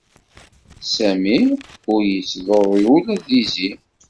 Sami ur yettḍurru ula d izi.